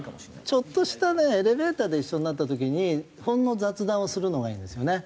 ちょっとしたねエレベーターで一緒になった時にほんの雑談をするのがいいんですよね。